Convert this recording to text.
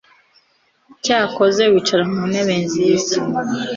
cyakoze wicara muntebe nziza